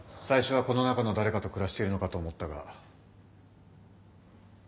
最初はこの中の誰かと暮らしているのかと思ったが。